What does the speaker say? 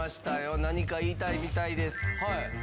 何か言いたいみたいです。